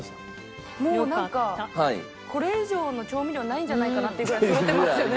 もうなんかこれ以上の調味料ないんじゃないかなってぐらいそろってますよね。